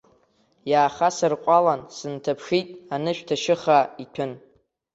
Иаахасырҟәалан сынҭаԥшит, анышә ҭашьыхаа иҭәын.